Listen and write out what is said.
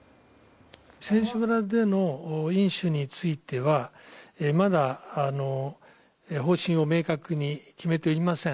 選手村での飲酒についてはまだ方針を明確に決めていません。